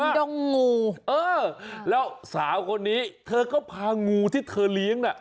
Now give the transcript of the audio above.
ไม่ใช่งูเยอะมากสาวคนนี้เธอก็พางูที่เธอเลี้ยง